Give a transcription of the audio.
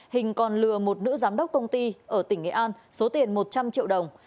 hình còn lừa một nữ giám đốc công ty ở tỉnh nghệ an số tiền một trăm linh triệu đồng